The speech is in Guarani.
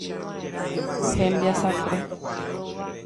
Hembiasakue.